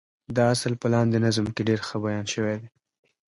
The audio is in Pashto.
دا اصل په لاندې نظم کې ډېر ښه بيان شوی دی.